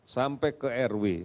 sampai ke rw